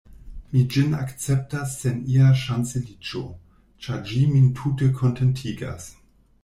Mi ĝin akceptas sen ia ŝanceliĝo; ĉar ĝi min tute kontentigas.